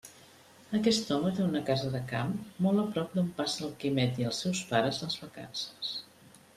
Aquest home té una casa de camp molt a prop d'on passa el Quimet i els seus pares les vacances.